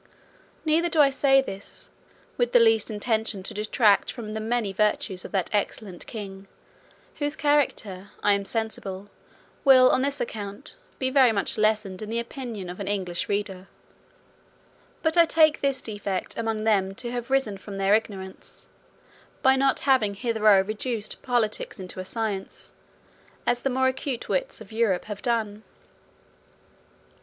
Neither do I say this, with the least intention to detract from the many virtues of that excellent king, whose character, I am sensible, will, on this account, be very much lessened in the opinion of an English reader: but I take this defect among them to have risen from their ignorance, by not having hitherto reduced politics into a science, as the more acute wits of Europe have done.